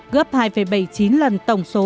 gấp hai bảy mươi chín lần tổng số